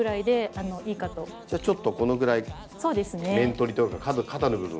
じゃあちょっとこのぐらい面取りというか肩の部分を。